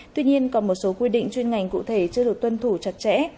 tuy nhiên còn một số quy định chuyên ngành cụ thể chưa được tuân thủ chặt chẽ